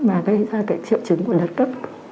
mà gây ra cái triệu chứng của đất cấp